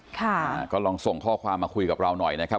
ค่ะก็ลองส่งข้อความมาคุยกับเราหน่อยนะครับ